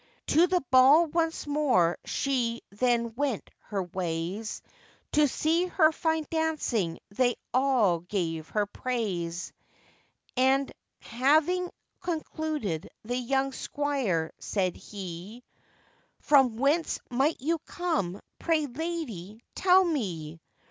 To the ball once more she then went her ways; To see her fine dancing they all gave her praise. And having concluded, the young squire said he, 'From whence might you come, pray, lady, tell me?